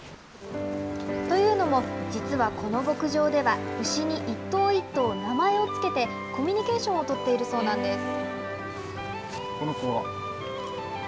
というのも、実はこの牧場では、牛に一頭一頭名前を付けて、コミュニケーションを取っているそうなんです。